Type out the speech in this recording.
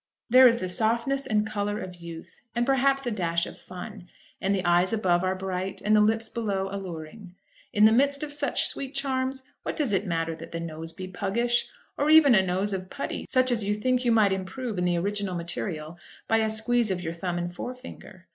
There is the softness and colour of youth, and perhaps a dash of fun, and the eyes above are bright, and the lips below alluring. In the midst of such sweet charms, what does it matter that the nose be puggish, or even a nose of putty, such as you think you might improve in the original material by a squeeze of your thumb and forefinger?